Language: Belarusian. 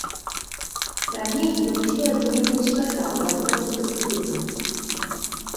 Раней ён усё як бы некуды спяшаў і аб гэтым толькі думаў.